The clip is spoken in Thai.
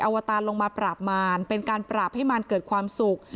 วตารลงมาปราบมารเป็นการปราบให้มารเกิดความสุข